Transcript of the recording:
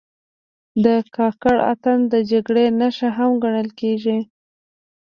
د کاکړ اتن د جګړې نښه هم ګڼل کېږي.